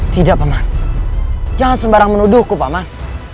tidak paman jangan sembarang menuduhku paman